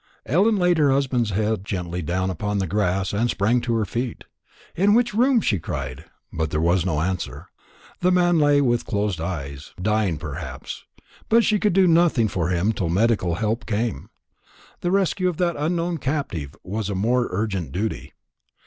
Ellen laid her husband's head gently down upon the grass and sprang to her feet. "In which room?" she cried. But there was no answer. The man lay with closed eyes dying perhaps but she could do nothing for him till medical help came. The rescue of that unknown captive was a more urgent duty.